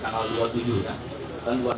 hari tanggal dua puluh tujuh